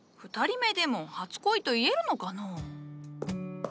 ２人目でも初恋と言えるのかのう？